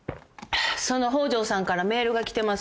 その北條さんからメールが来てます。